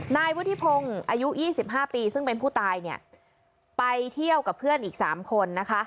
นายวุฒิพงศ์อยู่๒๕ปีซึ่งเป็นผู้ตายไปเที่ยวกับเพื่อนอีก๓คน